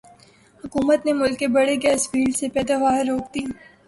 حکومت نے ملک کے بڑے گیس فیلڈز سے پیداوار روک دی